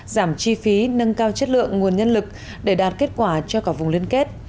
giảm chi phí nâng cao chất lượng nguồn nhân lực để đạt kết quả cho cả vùng liên kết